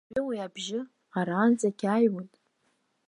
Уажәы уи абжьы араанӡагь иааҩуеит.